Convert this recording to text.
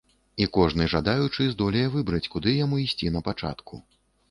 І кожны жадаючы здолее выбраць, куды яму ісці на пачатку.